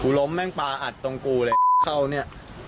ล้มแม่งปลาอัดตรงกูเลยเข้าเนี่ย